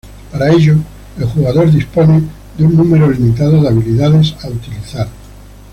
Para ello el jugador dispone un número limitado de habilidades a utilizar.